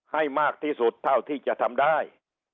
ให้มากที่สุดเท่าที่จะทำได้